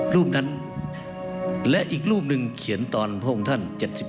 รูปนั้นและอีกรูปหนึ่งเขียนตอนพระองค์ท่าน๗๒